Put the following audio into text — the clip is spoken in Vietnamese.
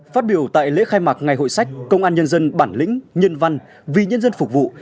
phát biểu tại lễ khai mạc ngày hội sách công an nhân dân bản lĩnh nhân văn vì nhân dân phục vụ